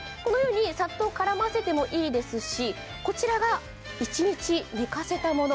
さっと絡ませてもいいですし、こちらが一日寝かせたもの。